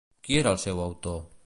Qui era el seu autor?